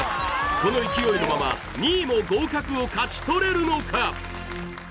この勢いのまま２位も合格を勝ち取れるのか？